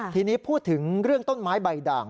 ทีนี้พูดถึงเรื่องต้นไม้ใบด่าง